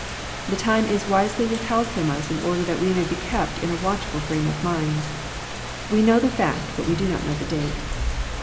The time is wisely withheld from us in order that we may be kept in a watchful frame of mind. We know the fact, but we do not know the date.